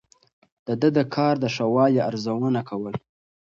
ده د کار د ښه والي ارزونه کوله.